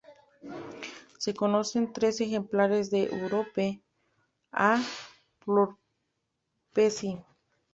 Se conocen trece ejemplares de "Europe a Prophecy".